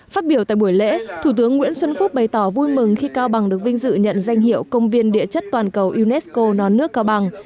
phát biểu tại buổi lễ thủ tướng nguyễn xuân phúc bày tỏ vui mừng khi cao bằng được vinh dự nhận danh hiệu công viên địa chất toàn cầu unesco non nước cao bằng